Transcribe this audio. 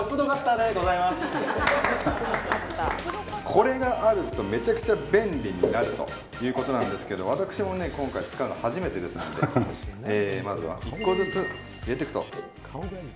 これがあると、めちゃくちゃ便利になるということで私も今回、使うの初めてですのでまずは１個ずつ入れていくと。